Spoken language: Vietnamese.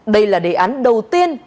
đây là đề án đầu tiên